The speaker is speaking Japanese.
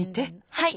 はい。